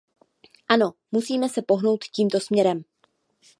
Ano, musíme se pohnout tímto směrem.